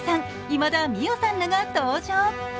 今田美桜さんらが登場。